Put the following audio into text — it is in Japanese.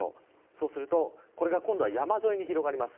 そうすると今度は山沿いに広がります。